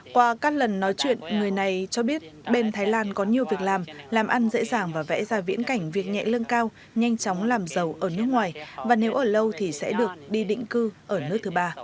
qua các lần nói chuyện người này cho biết bên thái lan có nhiều việc làm làm ăn dễ dàng và vẽ ra viễn cảnh việc nhẹ lương cao nhanh chóng làm giàu ở nước ngoài và nếu ở lâu thì sẽ được đi định cư ở nước thứ ba